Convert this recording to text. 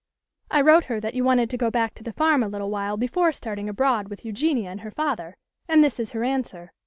" I wrote her that you wanted to go back to the farm a little while before starting abroad with Eugenia and her father, and this is her answer.